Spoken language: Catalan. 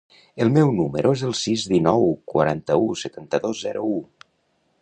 El meu número es el sis, dinou, quaranta-u, setanta-dos, zero, u.